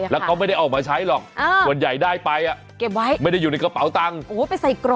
แล้วก็ไม่ได้ออกมาใช้หรอกคนใหญ่ได้ไปไม่ได้อยู่ในกระเป๋าตังค์